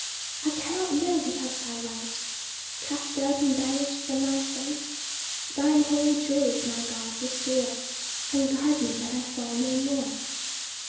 3 I cannot live without thy light, Cast out and banish'd from thy sight: Thine holy joys, my God, restore, And guard me that I fall no more.